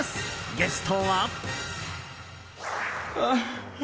ゲストは。